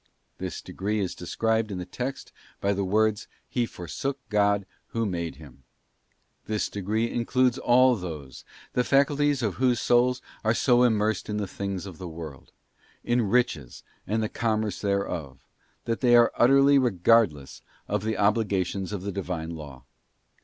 This degree is de scribed in the text by the words, ' He forsook God who made him.' This degree includes all those the faculties of whose souls are so immersed in the things of the world —* Ts, i, 23, ar SS ee IDOLS OF THE WORSHIP OF MAMMON. 251 in riches and the commerce thereof — that they are utterly regardless of the obligations of the Divine Law.